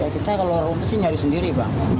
kita kalau rumput sih nyari sendiri bang